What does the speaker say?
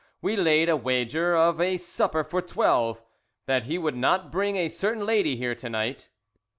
We laid a wager of a supper for twelve, that he would not bring a certain lady here to night."